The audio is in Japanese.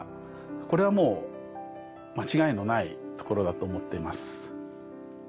これはもう間違いのないところだと思っています。